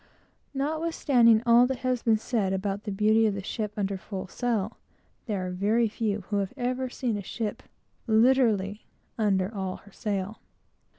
Notwithstanding all that has been said about the beauty of a ship under full sail, there are very few who have ever seen a ship, literally, under all her sail.